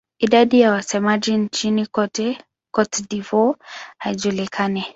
Idadi ya wasemaji nchini Cote d'Ivoire haijulikani.